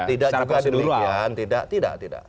tidak juga demikian tidak tidak